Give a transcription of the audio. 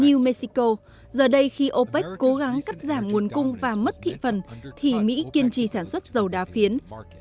như mexico giờ đây khi opec cố gắng cắt giảm nguồn cung và mất thị phần thì mỹ kiên trì sản xuất dầu đá phiến